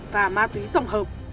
và ma túy tổng hợp